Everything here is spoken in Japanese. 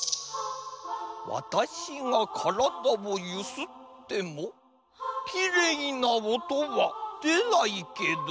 私がからだをゆすってもきれいな音は出ないけど。